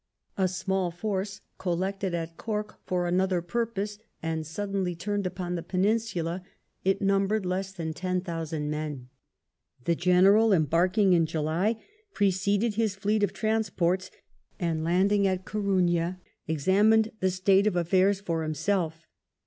A small force, collected at Cork for another purpose and suddenly turned upon the Peninsula, it numbered less than ten thousand men. The General, embarking in July, preceded his fleet of transports, and, landing at Coruna, examined the state of aflisdrs for himself.